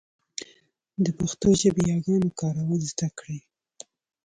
د پښتو ژبې ياګانو کارول زده کړئ.